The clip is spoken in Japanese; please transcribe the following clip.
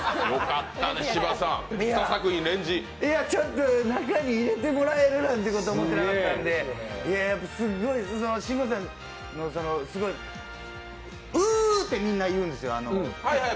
ちょっと、中に入れてもらえるなんて思ってなかったんで慎吾さんのすごいウってみんな言うんですよ。